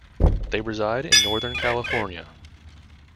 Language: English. They reside in northern California.